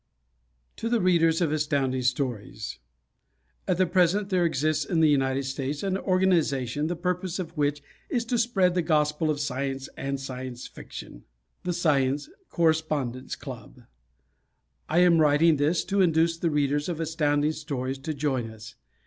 To the Readers of Astounding Stories: At the present there exists in the United States an organization the purpose of which is to spread the gospel of Science and Science Fiction, the Science Correspondence Club. I am writing this to induce the readers of Astounding Stories to join us.